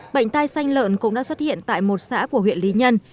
bệnh tai xanh lợn cũng đã xuất hiện tại một xã của huyện lý nhân